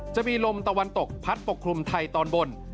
จะมีลมตะวันตกพัดปกคลุมไทยตอนบน